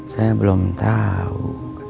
saya belum tahu